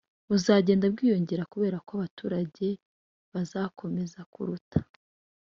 buzagenda bwiyongera kubera ko abaturage bazakomeza kuruta